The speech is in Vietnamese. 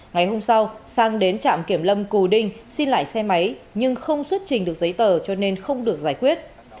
ngày hôm sau sang đến trạm kiểm lâm cù đinh xin lại xe máy nhưng không xuất trình được giấy tờ cho nên không được giải quyết